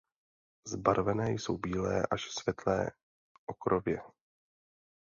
Zbarvené jsou bíle až světle okrově.